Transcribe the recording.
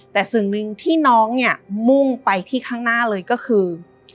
แต่สิ่งหนึ่งที่น้องเนี่ยมุ่งไปที่ข้างหน้าเลยก็คือ